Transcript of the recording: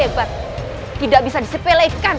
hebat tidak bisa disepelekan